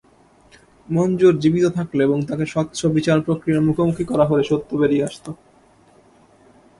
মঞ্জুর জীবিত থাকলে এবং তাঁকে স্বচ্ছ বিচারপ্রক্রিয়ার মুখোমুখি করা হলে সত্য বেরিয়ে আসত।